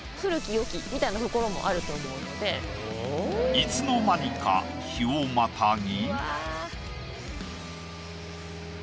いつの間にか日をまたぎ。